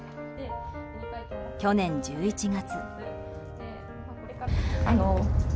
去年１１月。